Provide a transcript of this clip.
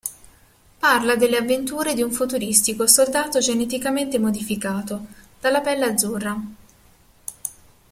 Parla delle avventure di un futuristico soldato geneticamente modificato, dalla pelle azzurra.